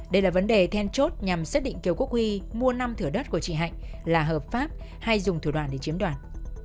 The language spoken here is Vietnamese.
đây là vấn đề then chốt nhằm xác định kiểu quốc huy mua năm thửa đất của chị hạnh là hợp pháp hay dùng thủ đoạn để chiếm đoạn